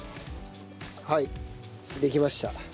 はいできました。